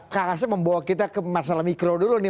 kasasi membawa kita ke masalah mikro dulu nih